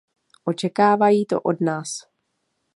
Očekávají to od nás.